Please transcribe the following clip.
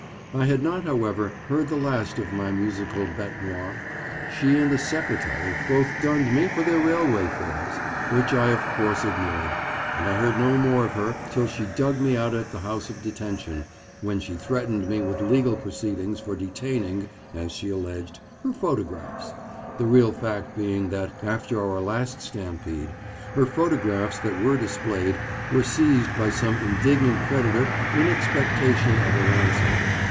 I had not, however, heard the last of my musical bête noire; she and the "secretary" both dunned me for their railway fares, which I of course ignored, and I heard no more of her till she dug me out at the House of Detention, when she threatened me with legal proceedings for detaining, as she alleged, her photographs—the real fact being that, after our last stampede, her photographs that were displayed were seized by some indignant creditor in expectation of a ransom.